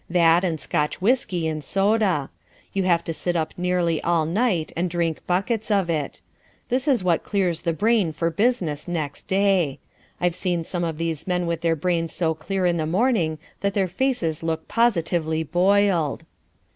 That and Scotch whisky and soda: you have to sit up nearly all night and drink buckets of it. This is what clears the brain for business next day. I've seen some of these men with their brains so clear in the morning, that their faces look positively boiled.